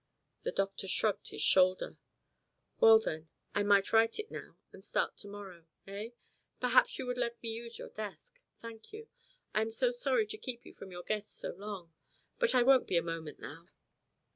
The doctor shrugged his shoulders. "Well, then, I might write it now, and start to morrow eh? Perhaps you would let me use your desk. Thank you. I am so sorry to keep you from your guests so long. But I won't be a moment now."